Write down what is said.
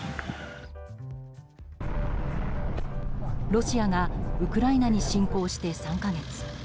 ロシアがウクライナに侵攻して３か月。